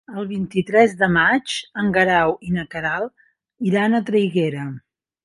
El vint-i-tres de maig en Guerau i na Queralt iran a Traiguera.